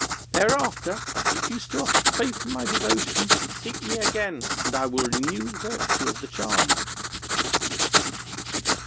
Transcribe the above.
Thereafter, if you still have faith in my devotion, seek me again, and I will renew the virtue of the charm.'